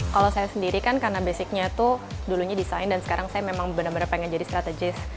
kalau saya sendiri kan karena basicnya tuh dulunya desain dan sekarang saya memang benar benar pengen jadi strategis